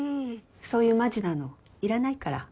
そういうマジなのいらないから。